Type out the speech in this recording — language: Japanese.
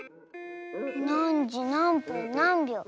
なんじなんぷんなんびょう？